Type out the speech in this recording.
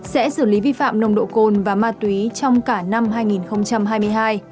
sẽ xử lý vi phạm nồng độ cồn và ma túy trong cả năm hai nghìn hai mươi hai